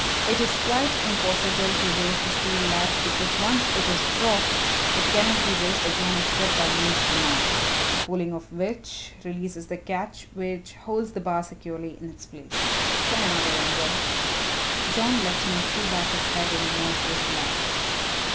It is quite impossible to raise the steel latch because once it is dropped it cannot be raised again except by means of the knob, the pulling of which releases the catch which holds the bar securely in its place. Try another one, John." John Lexman threw back his head in a noiseless laugh.